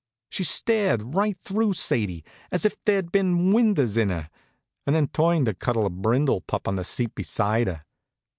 She stared right through Sadie, just as if there'd been windows in her, and then turned to cuddle a brindle pup on the seat beside her.